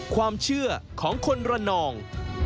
ความเชื่อของคนระนอง